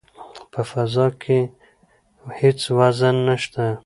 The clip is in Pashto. په فضا کې هیڅ وزن نشته.